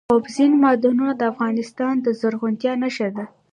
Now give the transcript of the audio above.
اوبزین معدنونه د افغانستان د زرغونتیا نښه ده.